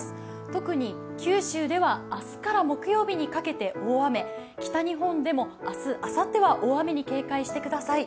特に九州では明日から木曜日にかけて大雨、北日本でも明日、あさっては大雨に警戒してください。